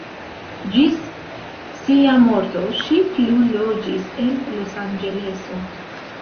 Ĝis sia morto ŝi plu loĝis en Los-Anĝeleso.